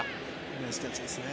ナイスキャッチですね。